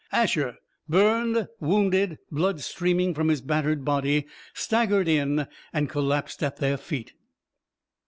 Asher, burned, wounded, blood streaming from his battered body, staggered in and collapsed at their feet.